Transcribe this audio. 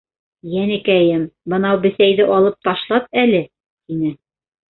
—Йәнекәйем, бынау бесәйҙе алып ташлат әле! —тине.